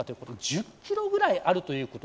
１０キロぐらいあるということ。